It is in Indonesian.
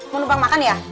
mau nembang makan ya